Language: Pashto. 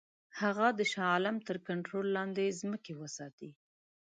هغه د شاه عالم تر کنټرول لاندي ځمکې وساتي.